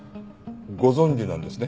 ご存じなんですね？